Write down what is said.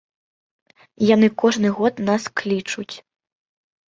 Яны кожны год нас клічуць.